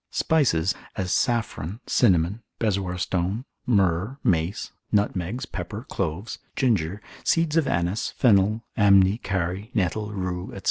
spices, as saffron, cinnamon, bezoar stone, myrrh, mace, nutmegs, pepper, cloves, ginger, seeds of annis, fennel, amni, cari, nettle, rue, &c.